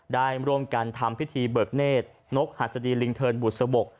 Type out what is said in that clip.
ได้ร่วมกันทำพิธีเบิกเนธนกหัสดีลิงเทินบุษบก